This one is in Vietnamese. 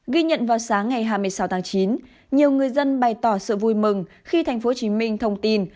ghi nhận vào sáng ngày hai mươi sáu tháng chín nhiều người dân bày tỏ sự vui mừng khi tp hcm thông tin